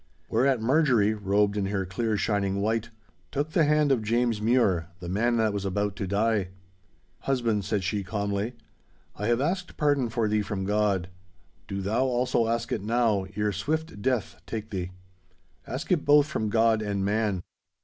Whereat Marjorie, robed in her clear shining white, took the hand of James Mure, the man that was about to die. 'Husband,' said she, calmly, 'I have asked pardon for thee from God—do thou also ask it now, ere swift death take thee. Ask it both from God and man.